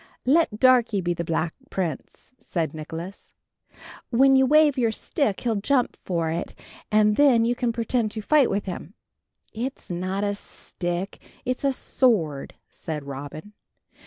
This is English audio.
"Let Darkie be the Black Prince," said Nicholas. "When you wave your stick he'll jump for it, and then you can pretend to fight with him." "It's not a stick, it's a sword," said Robin.